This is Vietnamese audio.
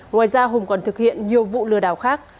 ngoài ra hùng còn thực hiện nhiều vụ lừa đảo khác